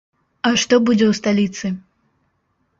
А што будзе ў сталіцы?